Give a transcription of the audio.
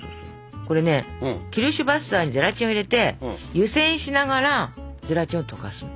これねキルシュヴァッサーにゼラチンを入れて湯煎しながらゼラチンを溶かすの。